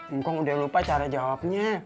ngkong udah lupa cara jawabnya